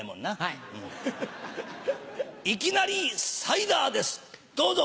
いきなりサイダーですどうぞ！